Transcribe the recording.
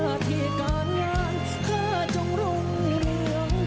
ข้าที่การงานข้าจงร่วงเรือง